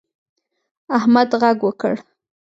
احمد غږ وکړ.